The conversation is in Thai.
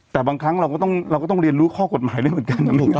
แต่บางครั้งเราก็ต้องเรียนรู้ข้อกฎหมายเรียนเหมือนกันนะถูกต้อง